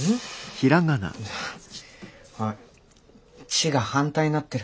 「ち」が反対になってる。